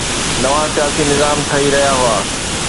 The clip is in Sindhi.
نوان سياسي نظام ٺهي رهيا هئا.